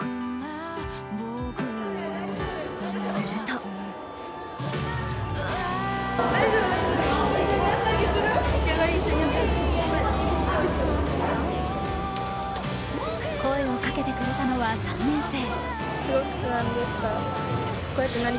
すると声をかけてくれたのは３年生。